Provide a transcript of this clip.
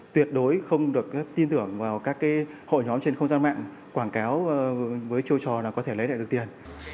tuyệt đối không được tin tưởng vào các hội nhóm trên không gian mạng quảng cáo với châu trò là có thể lấy lại được tiền